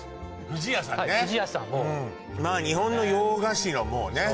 不二家さんまあ日本の洋菓子のもうね